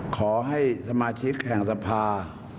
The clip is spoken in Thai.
ขอให้สมาชิกแห่งสภา